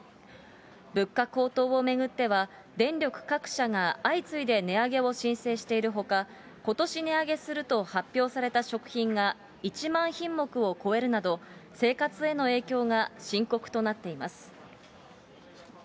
物価高騰を巡っては、電力各社が相次いで値上げを申請しているほか、ことし値上げすると発表された食品が１万品目を超えるなど、生活への影響が深刻となっています。